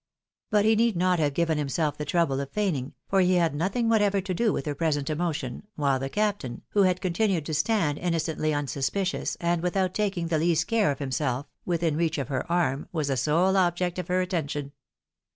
But he need not have given himself the trouble of feigning, for he had nothing whatever to do with her present emotion, while the captain, who had continued to stand inno cently unsuspicious, and without taking the least care of himself, within reach of her arm, was the sole object of her attention.